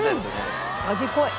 味濃い。